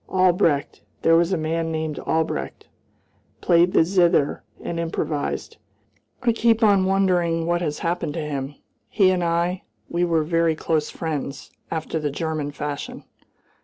Albrecht there was a man named Albrecht played the zither and improvised; I keep on wondering what has happened to him. He and I we were very close friends, after the German fashion."